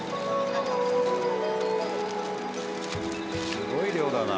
すごい量だな。